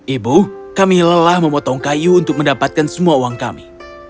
ibu kami lelah memotong kayu untuk mendapatkan semua uang kami